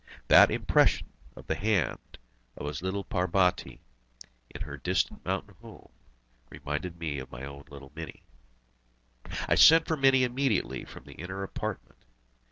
That impression of the hand of his little Parbati in her distant mountain home reminded me of my own little Mini. I sent for Mini immediately from the inner apartment.